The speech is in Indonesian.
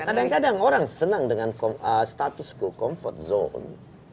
ya kadang kadang orang senang dengan status comfort zone